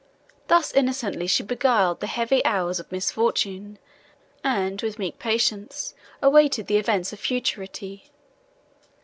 Thus innocently she beguiled the heavy hours of misfortune, and, with meek patience, awaited the events of futurity.